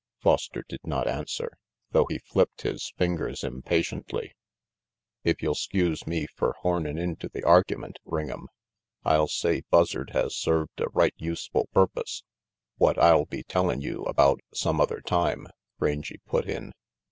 Foster did not answer, though he flipped his fingers impatiently. "If you'll 'skuse me fer hornin' into the argument, Ring'em, I'll say Buzzard has served a right useful purpose, what I'll be tellin' you about some other time," Rangy put in.